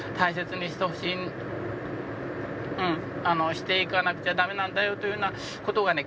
していかなくちゃダメなんだよというようなことがね